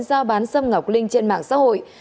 giao bán xâm ngọc linh trên mạng xã hội